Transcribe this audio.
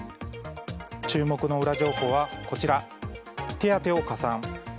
注目のウラ情報は手当を加算。